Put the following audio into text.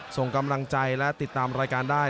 ส่งกำลังใจและติดตามรายการได้